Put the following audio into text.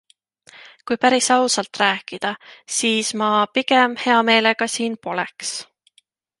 Kui päris ausalt rääkida, siis ma pigem hea meelega siin poleks.